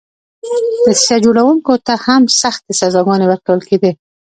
دسیسه جوړوونکو ته هم سختې سزاګانې ورکول کېدلې.